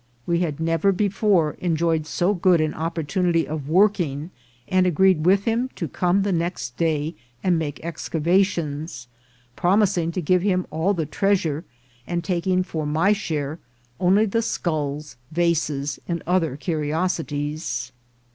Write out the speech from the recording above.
We had never before enjoyed so good an op portunity of working, and agreed with him to come the next day and make excavations, promising to give him all the treasure, and taking for my share only the sculls, vases, and other curiosities.